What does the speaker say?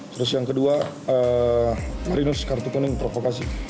terus yang kedua mariners kartu kuning provokasi